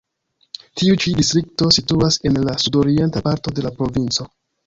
Tiu ĉi distrikto situas en la sudorienta parto de la provinco.